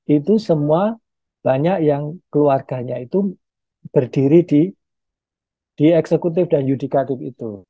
itu semua banyak yang keluarganya itu berdiri di eksekutif dan yudikatif itu